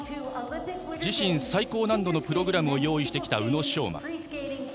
自身最高難度のプログラムを用意してきた宇野昌磨。